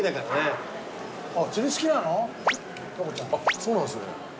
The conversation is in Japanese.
そうなんですね。